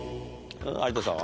有田さんは？